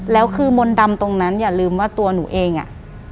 แล้วคือมนต์ดำตรงนั้นอย่าลืมว่าตัวหนูเองอ่ะ